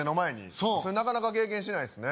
それなかなか経験しないですね